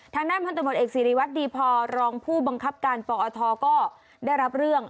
ทางด้านพันธมตเอกสิริวัตรดีพอรองผู้บังคับการปอทก็ได้รับเรื่อง